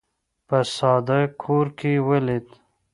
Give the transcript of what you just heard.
په ساده کور کې ولید.